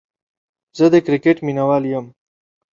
زه دا کرکټ ميناوال يم